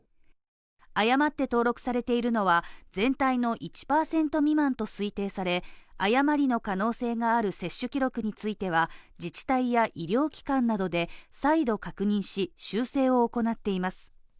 誤って登録されているのは全体の１％未満と推定され、誤りの可能性がある接種記録については、自治体や医療機関などで再度確認し、修正を行っています。